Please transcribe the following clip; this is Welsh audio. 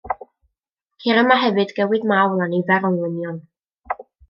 Ceir yma hefyd gywydd mawl a nifer o englynion.